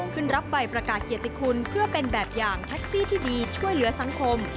รับใบประกาศเกียรติคุณเพื่อเป็นแบบอย่างแท็กซี่ที่ดีช่วยเหลือสังคม